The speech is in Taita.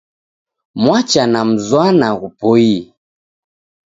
Mwacha na mzwana ghupoi